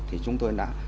thì chúng tôi đã